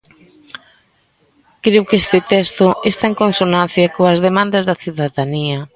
Creo que este texto está en consonancia coas demandas da cidadanía.